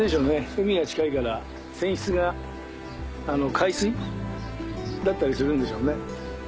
海が近いから泉質が海水？だったりするんでしょうね。